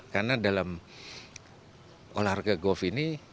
karena dalam olahraga golf ini